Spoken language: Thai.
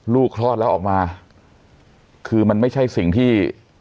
คลอดแล้วออกมาคือมันไม่ใช่สิ่งที่